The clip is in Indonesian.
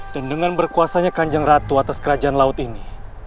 dan dengan berkuasanya kanjeng ratu atas kerajaan laut ini